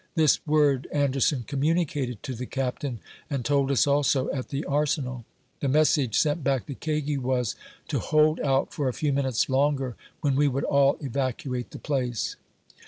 This word Anderson communicated to the Captain, and told us also at the Arsenal. The message sent back to Kagi was, to hold out for a few minutes longer, when we would all evacute the place.